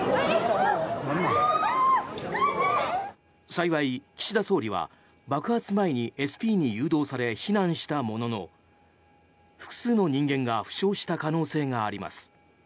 幸い、岸田総理は爆発前にＳＰに誘導され避難したものの複数の人間が負傷した可能性があります。